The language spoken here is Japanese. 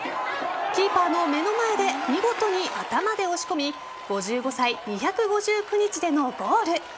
キーパーの目の前で見事に頭で押し込み５５歳２５９日でのゴール。